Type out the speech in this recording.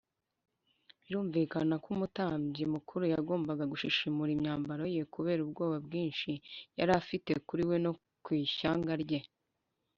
birumvikana ko umutambyi mukuru yagombaga gushishimura imyambaro ye kubera ubwoba bwinshi yari afite kuri we no ku ishyanga rye